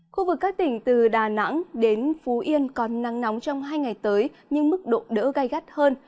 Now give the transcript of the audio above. khu vực các tỉnh từ đà nẵng đến phú yên còn nắng nóng trong hai ngày tới nhưng mức độ đỡ gai gắt hơn